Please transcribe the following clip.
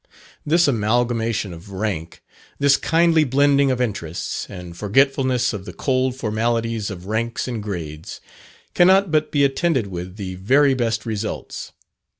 This amalgamation of rank, this kindly blending of interests, and forgetfulness of the cold formalities of ranks and grades, cannot but be attended with the very best results.